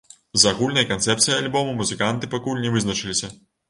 З агульнай канцэпцыяй альбома музыканты пакуль не вызначыліся.